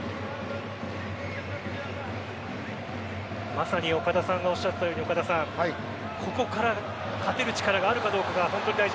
まさに岡田さんがおっしゃったようにここから勝てる力があるかどうかが本当に大事。